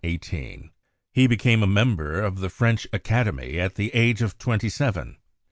He became a member of the French Academy at the age of twenty seven.